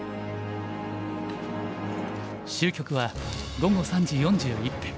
終局は午後３時４１分。